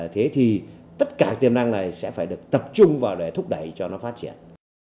thế thì tất cả tiềm năng này sẽ phải được tập trung vào để thúc đẩy cho nó phát triển